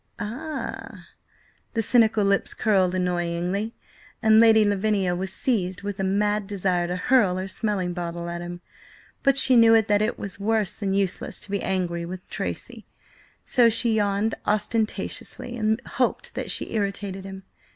"Ah!" The cynical lips curled annoyingly, and Lady Lavinia was seized with a mad desire to hurl her smelling bottle at him. But she knew that it was worse than useless to be angry with Tracy, so she yawned ostentatiously, and hoped that she irritated him.